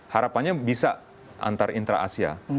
harapannya bisa antar intra asia